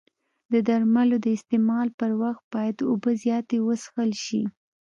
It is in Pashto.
د درملو د استعمال پر وخت باید اوبه زیاتې وڅښل شي.